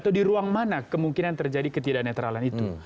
atau di ruang mana kemungkinan terjadi ketidak netralan itu